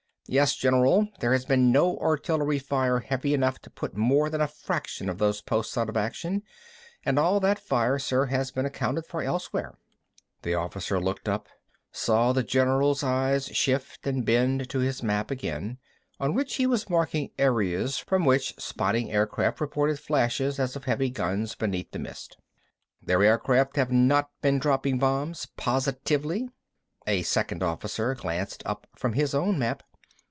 "Yes, General. There has been no artillery fire heavy enough to put more than a fraction of those posts out of action, and all that fire, sir, has been accounted for elsewhere." The officer looked up, saw the general's eyes shift, and bent to his map again, on which he was marking areas from which spotting aircraft reported flashes as of heavy guns beneath the mist. "Their aircraft have not been dropping bombs, positively?" A second officer glanced up from his own map.